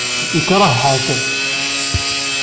Yekṛeh Ḥasan.